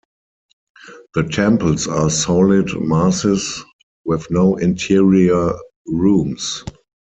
The temples are solid masses with no interior rooms.